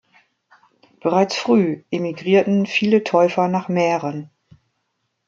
Bereits früh emigrierten viele Täufer nach Mähren.